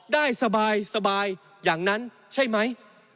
ได้สบายอย่างนั้นใช่ไหม